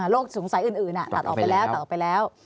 โรคสงสัยอื่นตัดออกไปแล้ว